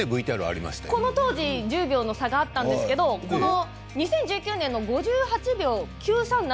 この当時１０秒差があったんですが２０１９年の５８秒９３７